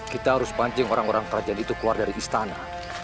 kita harus pancing orang orang kerajaan itu keluar dari istana